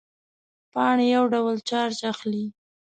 پاڼې یو ډول چارج اخلي.